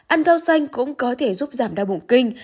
ăn rau xanh cũng có thể giúp giảm đau bụng kinh